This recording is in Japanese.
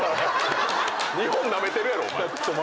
日本ナメてるやろお前。